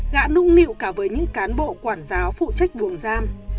gã nung nịu cả với những cán bộ quản giáo phụ trách buồng giam